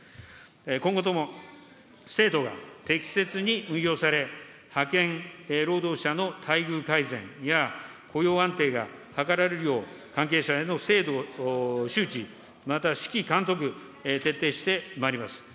今後とも制度が適切に運用され、派遣労働者の待遇改善や雇用安定が図られるよう、関係者への制度周知、または指揮監督、徹底してまいります。